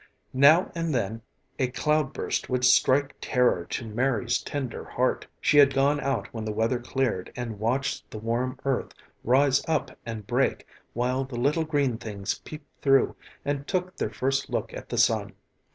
Now and then a cloudburst would strike terror to Mary's tender heart. She had gone out when the weather cleared and watched the warm earth rise up and break, while the little green things peeped through and took their first look at the sun.